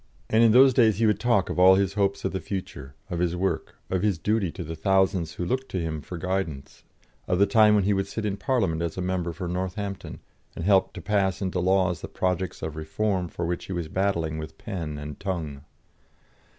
And in those days he would talk of all his hopes of the future, of his work, of his duty to the thousands who looked to him for guidance, of the time when he would sit in Parliament as member for Northampton, and help to pass into laws the projects of reform for which he was battling with pen and tongue.